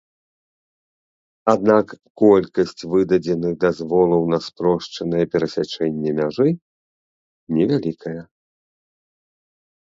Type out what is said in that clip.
Аднак колькасць выдадзеных дазволаў на спрошчанае перасячэнне мяжы невялікая.